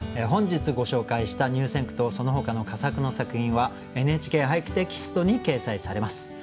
本日ご紹介した入選句とそのほかの佳作の作品は「ＮＨＫ俳句」テキストに掲載されます。